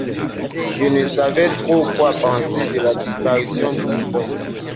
Je ne savais trop quoi penser de la disparition du mouton.